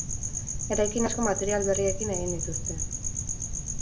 Eraikin asko material berriekin egin dituzte.